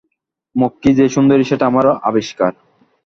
মক্ষী যে সুন্দরী সেটা আমার আবিষ্কার।